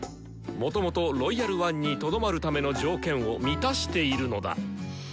もともと「ロイヤル・ワン」にとどまるための条件を満たしているのだ。